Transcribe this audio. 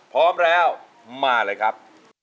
พร้อมแล้วมาเลยครับ